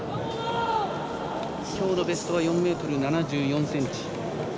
今日のベストは４ｍ７４ｃｍ。